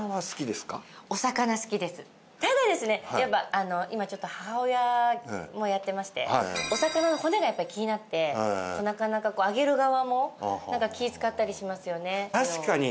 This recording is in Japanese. ただですねやっぱ今ちょっと母親もやってましてお魚の骨がやっぱり気になってなかなかあげる側も気使ったりしますよね。